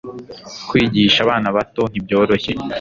Kwigisha abana bato ntibyoroshye